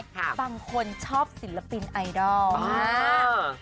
ใช่ครับเบาบางคนชอบศิลปินไอดอลจริงว้าว